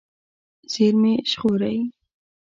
زېرمې ژغورئ.